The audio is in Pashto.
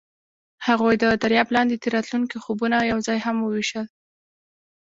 هغوی د دریاب لاندې د راتلونکي خوبونه یوځای هم وویشل.